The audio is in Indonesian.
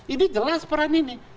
ini jelas peran ini